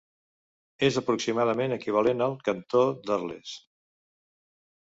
És aproximadament equivalent al cantó d'Arles.